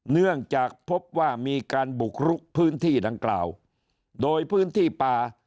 เนื่องจากพบว่ามีการบุกลุกพื้นที่ดังกล่าวโดยพื้นที่ป่า